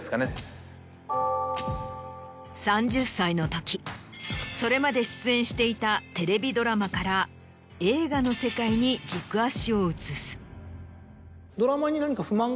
３０歳のときそれまで出演していたテレビドラマから映画の世界に軸足を移す。